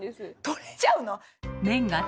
取れちゃうの？